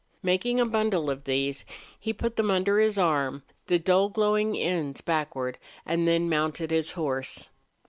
Making a bundle of these, he put them under his arm, the dull, glowing ends backward, and then mounted his horse.